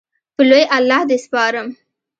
په لوی الله دې سپارم